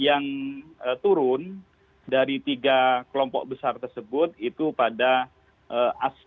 yang turun dari tiga kelompok besar tersebut itu pada aspek iklim berusaha kemudahan berusaha